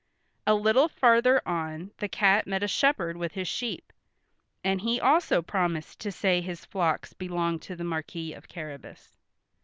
A little farther on the cat met a shepherd with his sheep, and he also promised to say his flocks belonged to the Marquis of Carrabas.